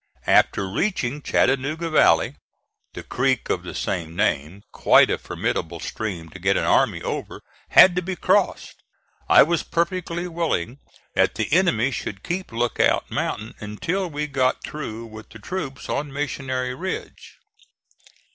After reaching Chattanooga Valley, the creek of the same name, quite a formidable stream to get an army over, had to be crossed. I was perfectly willing that the enemy should keep Lookout Mountain until we got through with the troops on Missionary Ridge.